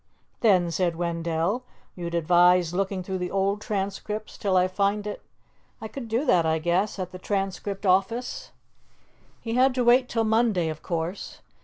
"Then," said Wendell, "you'd advise looking through the old Transcripts till I find it. I could do that, I guess, at the Transcript office." He had to wait till Monday, of course.